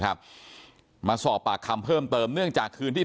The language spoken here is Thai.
เพราะไม่เคยถามลูกสาวนะว่าไปทำธุรกิจแบบไหนอะไรยังไง